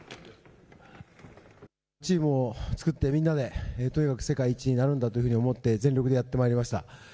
チームを作ってみんなでとにかく世界一になるんだというのを持って全力でやってまいりました。